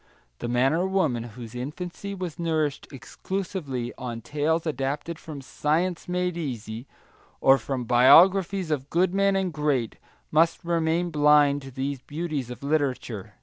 The man or woman whose infancy was nourished exclusively on tales adapted from science made easy, or from biographies of good men and great, must remain blind to these beauties of literature.